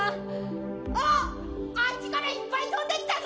あっあっちからいっぱい飛んできたぞ！